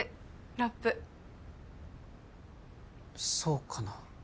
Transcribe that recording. ラップそうかな